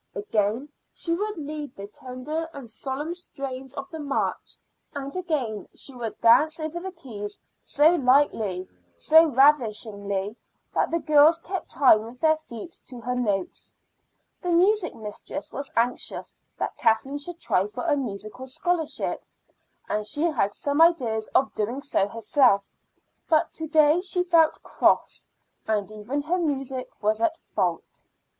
Again she would lead the tender and solemn strains of the march; and again she would dance over the keys so lightly, so ravishingly, that the girls kept time with their feet to her notes. The music mistress was anxious that Kathleen should try for a musical scholarship, and she had some ideas of doing so herself. But to day she felt cross, and even her music was at fault.